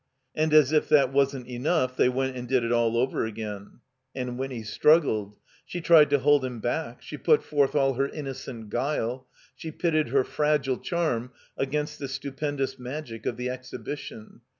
And as if that wasn't enough, they went and did it all over again. And Winny struggled; she tried to hold him back; she put forth all her innocent guile; she pitted her fragile charm against the stupendous magic of the Exhibition.